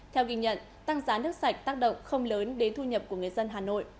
theo ghi nhận tăng giá nước sạch tác động không lớn đến thu nhập của người dân hà nội